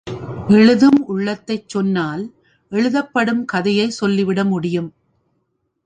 எழுதும் உள்ளத்தைச் சொன்னால், எழுதப்படும் கதையைச் சொல்லிவிட முடியும்.